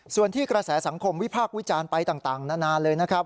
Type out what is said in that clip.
ส่วนที่กระแสสังคมวิพากษ์วิจารณ์ไปต่างนานาเลยนะครับ